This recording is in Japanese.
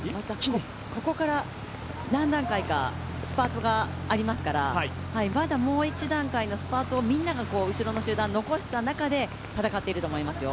ここから何段階かスパートがありますからまだもう一段階のスパートをみんなが後ろの集団残した中で戦っていると思いますよ。